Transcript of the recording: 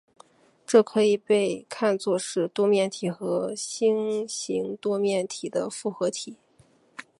这可以被看作是多面体和星形多面体的复合体。